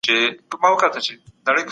هر ګوند د خپل سياست له مخي پرمخ ځي.